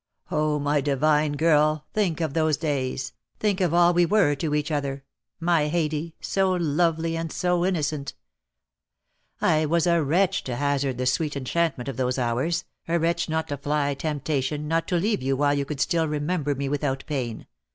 "Oh, my divine girl, think of those days, think of all we were to each other, my Haidee, so lovely and so innocent. I was a wretch to hazard the sweet enchantment of those hours, a wretch not to fly temptation, not to leave you while you could still remember me without pain.